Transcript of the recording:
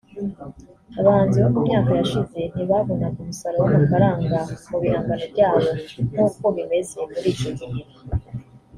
Abahanzi bo mu myaka yashize ntibabonaga umusaruro w’amafaranga mu bihangano byabo nkuko bimeze muri iyi iki gihe